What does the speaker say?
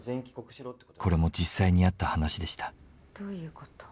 これも実際にあった話でした。